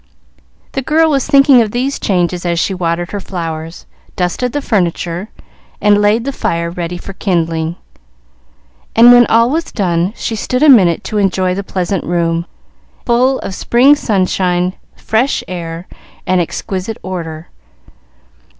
The girl was thinking of these changes as she watered her flowers, dusted the furniture, and laid the fire ready for kindling; and, when all was done, she stood a minute to enjoy the pleasant room, full of spring sunshine, fresh air, and exquisite order.